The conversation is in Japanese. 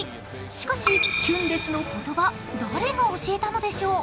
しかしキュンデスの言葉誰が教えたんでしょう？